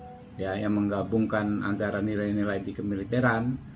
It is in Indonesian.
dan juga pak prabowo yang menggabungkan antara nilai nilai di kemiliteran